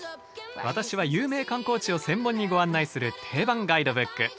私は有名観光地を専門にご案内する定番ガイドブック。